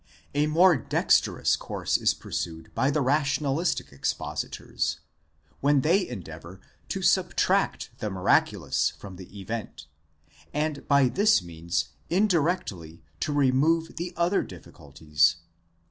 1® A more dexterous course is pursued by the rationalistic expositors, when they en deavour to subtract the miraculous from the event, and by this means in directly to remove the other difficulties.